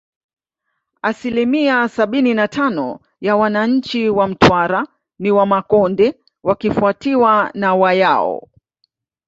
Asilimia sabini na tano ya wananchi wa Mtwara ni Wamakonde wakifuatiwa na Wayao